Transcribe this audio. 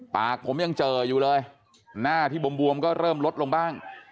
ปากผมยังเจออยู่เลยหน้าที่บวมก็เริ่มลดลงบ้าง